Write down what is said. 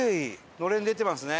のれん出てますね。